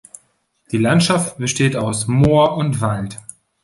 Die Landschaft besteht aus Moor und Wald.